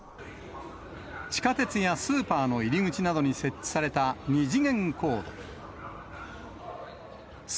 地下鉄やスーパーの入り口などに設置された二次元コード。